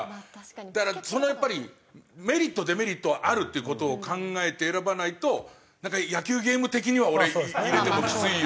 だからそのやっぱりメリットデメリットあるっていう事を考えて選ばないと野球ゲーム的には俺入れてもきついよな。